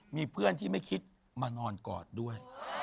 มีเพื่อนที่ไม่คิดมานอนกอดด้วย